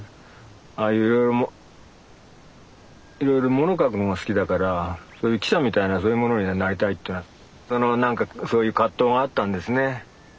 ああいういろいろいろいろ物書くのが好きだからそういう記者みたいなそういうものになりたいっていうのはその何かそういう葛藤があったんですね。